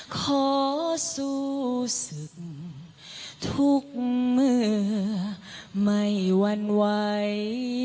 ขอสู้ศึกทุกเมื่อไม่หวั่นไหว